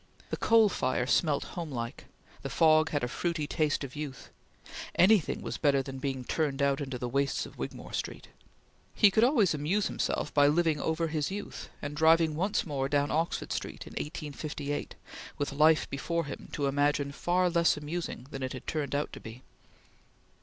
The coal fire smelt homelike; the fog had a fruity taste of youth; anything was better than being turned out into the wastes of Wigmore Street. He could always amuse himself by living over his youth, and driving once more down Oxford Street in 1858, with life before him to imagine far less amusing than it had turned out to be.